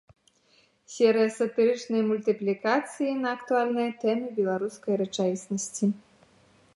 Серыя сатырычнай мультыплікацыі на актуальныя тэмы беларускай рэчаіснасці.